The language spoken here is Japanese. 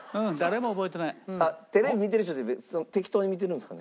あっテレビ見てる人って適当に見てるんですかね。